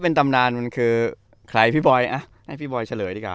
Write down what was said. เป็นตำนานมันคือให้พี่บอยเฉลยดีกว่า